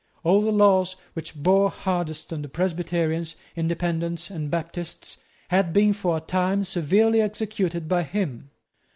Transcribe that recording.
All the laws which bore hardest on the Presbyterians, Independents, and Baptists, had been for a time severely executed by him.